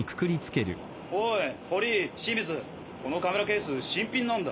おい堀井清水このカメラケース新品なんだ